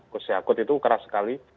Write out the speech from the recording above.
gus yakut itu keras sekali